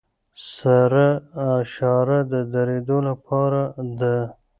سره اشاره د دریدو لپاره ده.